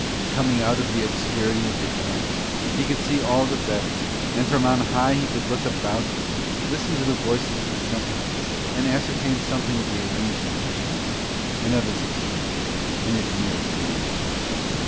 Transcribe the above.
Coming out of the obscurity of the tent, he could see all the better, and from on high he could look about him, listen to the voices of the sentinels, and ascertain something of the arrangement of the camp, and of its extent, and its nearest limits.